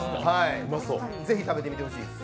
ぜひ食べてみてほしいです。